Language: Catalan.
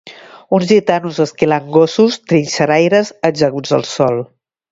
Uns gitanos esquilant gossos, trinxeraires ajaguts al sol